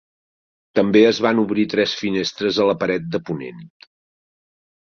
També es van obrir tres finestres a la paret de ponent.